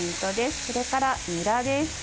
それから、にらです。